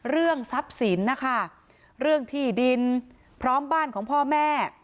เรื่องทรัพย์สินนะคะเรื่องที่ดินพร้อมบ้านของพ่อแม่